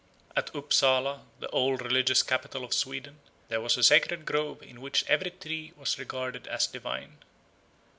At Upsala, the old religious capital of Sweden, there was a sacred grove in which every tree was regarded as divine.